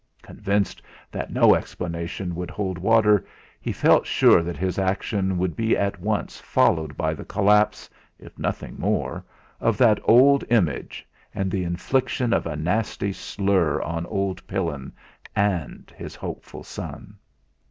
Convinced that no explanation would hold water, he felt sure that his action would be at once followed by the collapse, if nothing more, of that old image, and the infliction of a nasty slur on old Pillin and his hopeful son.